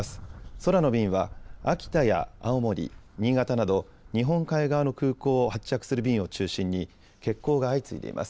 空の便は秋田や青森、新潟など日本海側の空港を発着する便を中心に欠航が相次いでいます。